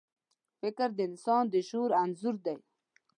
فکر د انسان د شعور انځور دی.